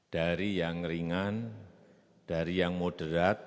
dari yang ringan dari yang moderat